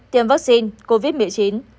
bốn tiêm vaccine covid một mươi chín